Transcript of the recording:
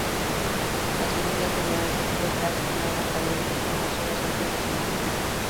Las semillas deberán ser puestas en agua caliente unas horas antes de sembrar.